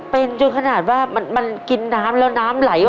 เป็นจนขนาดว่ามันกินน้ำแล้วน้ำไหล